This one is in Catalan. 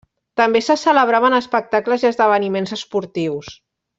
També se celebraven espectacles i esdeveniments esportius.